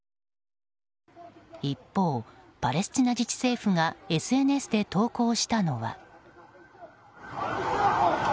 一方、パレスチナ自治政府がＳＮＳで投稿したのは。